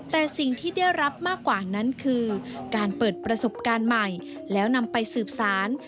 แต่สิ่งที่ได้รับมากกว่านั้นคือการเปิดประสบการณ์ใหม่แล้วนำไปสืบสาร